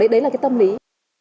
đấy là cái tâm lý